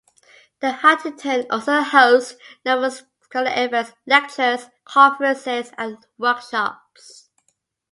The Huntington also hosts numerous scholarly events, lectures, conferences, and workshops.